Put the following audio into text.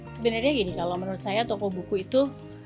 sebenarnya gini kalau menurut saya toko buku itu